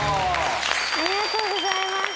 ありがとうございます。